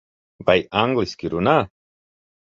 Vai angliski runā?